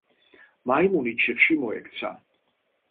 მაიმუნი ჩიხში მოექცა.